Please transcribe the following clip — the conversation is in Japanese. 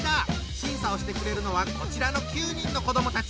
審査をしてくれるのはこちらの９人の子どもたち。